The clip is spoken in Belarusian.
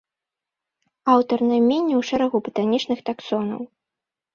Аўтар найменняў шэрагу батанічных таксонаў.